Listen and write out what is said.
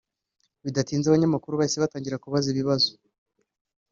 Bidatinze abanyamakuru bahise batangira kubaza ibibazo